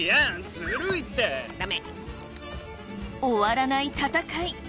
終わらない戦い。